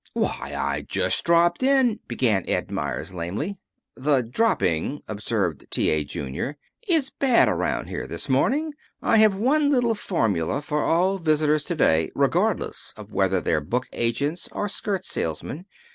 "Why, I just dropped in " began Ed Meyers lamely. "The dropping," observed T. A. Junior, "is bad around here this morning. I have one little formula for all visitors to day, regardless of whether they're book agents or skirt salesmen.